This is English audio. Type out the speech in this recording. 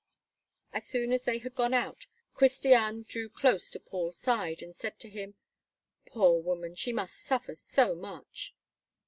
As soon as they had gone out, Christiane drew close to Paul's side, and said to him: "Poor woman! she must suffer so much!"